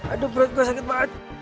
aduh perut gue sakit banget